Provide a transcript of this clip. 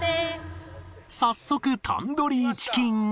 早速タンドリーチキンを